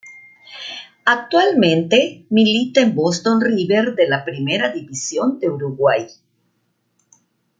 Actualmente milita en Boston River de la Primera División de Uruguay.